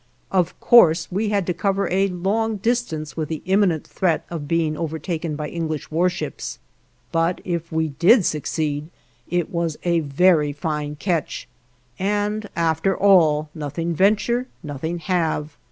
Of course we had to cover a long distance with the imminent threat of being overtaken by English warships, but if we did succeed, it was a very fine catch, and after all, nothing venture, nothing have.